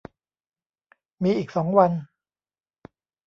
มีอีกสองวัน